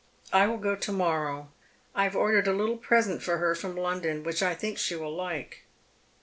I will go to morrow. I have ordered a httle present for her from London ■which I think she will like."